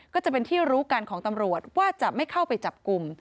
ก็จะเป็นที่รู้กันของตำรวจว่าจะไม่เข้าไปจับกลุ่ม